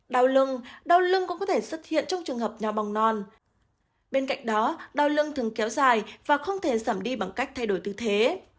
đau lưng đau lưng cũng có thể xuất hiện trong trường hợp nhỏ non bên cạnh đó đau lưng thường kéo dài và không thể giảm đi bằng cách thay đổi tư thế